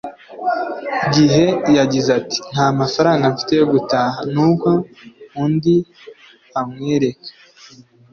gihe yagize ati Nta mafaranga mfite yo gutaha nuko undi amwereka